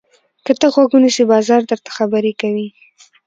که ته غوږ ونیسې، بازار درته خبرې کوي.